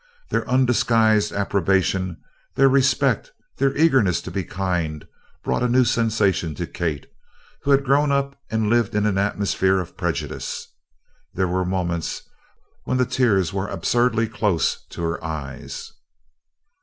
Their undisguised approbation, their respect, their eagerness to be kind brought a new sensation to Kate, who had grown up and lived in an atmosphere of prejudice. There were moments when the tears were absurdly close to her eyes.